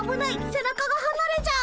背中がはなれちゃう！